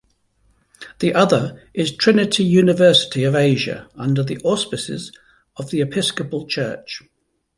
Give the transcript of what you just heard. The other is Trinity University of Asia under the auspices of the Episcopal Church.